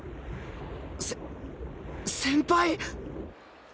せ先輩！？